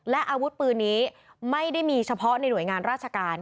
และอาวุธปืนนี้ไม่ได้มีเฉพาะในหน่วยงานราชการ